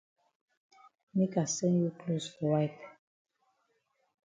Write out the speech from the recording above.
Make I send you closs for wipe.